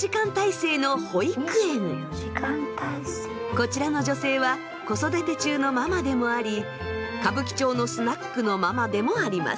こちらの女性は子育て中のママでもあり歌舞伎町のスナックのママでもあります。